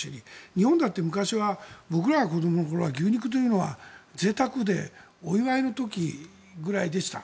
日本だって昔は僕らが子どもの頃は牛肉というのはぜいたくでお祝いの時ぐらいでした。